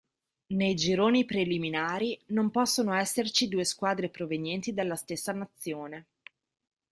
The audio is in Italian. Nei gironi preliminari non possono esserci due squadre provenienti dalla stessa nazione.